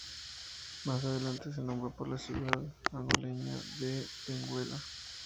Más adelante se nombró por la ciudad angoleña de Benguela.